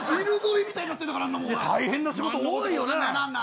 大変な仕事、多いよね。